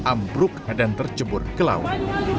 ambruk dan tercebur ke laut